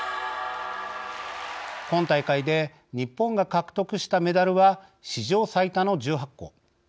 今大会で日本が獲得したメダルは史上最多の１８個。